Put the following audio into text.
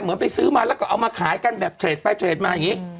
ไปซื้อมาแล้วก็เอามาขายกันแบบเทรดไปเทรดมาอย่างนี้